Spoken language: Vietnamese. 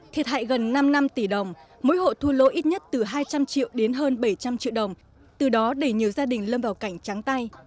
thiệt hại gần năm năm tỷ đồng mỗi hộ thu lỗ ít nhất từ hai trăm linh triệu đến hơn bảy trăm linh triệu đồng từ đó để nhiều gia đình lâm vào cảnh trắng tay